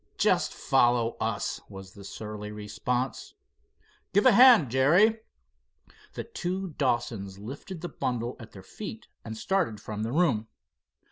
"Just follow us," was the surly response. "Give a hand, Jerry." The two Dawsons lifted the bundle at their feet and started from the room.